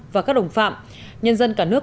và các đồng phạm nhân dân cả nước